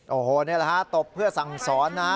โอ้โหนี่แหละฮะตบเพื่อสั่งสอนนะ